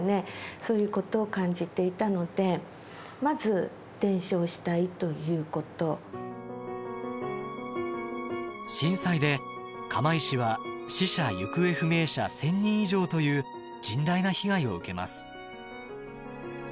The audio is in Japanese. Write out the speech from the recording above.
そういうことを感じていたのでまず震災で釜石は死者・行方不明者１，０００人以上という甚大な被害を受けます。